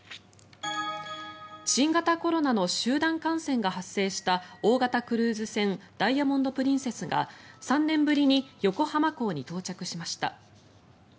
新型コロナの集団感染が発生した大型クルーズ船「ダイヤモンド・プリンセス」が３年ぶりに横浜港に到着しました。